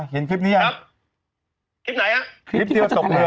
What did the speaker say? คนที่โทรมาระดับไหนพ้นโทรมากับผมเมื่อกี้